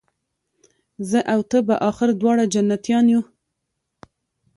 زه او ته به آخر دواړه جنتیان یو